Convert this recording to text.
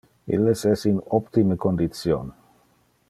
Illes es in optime condition.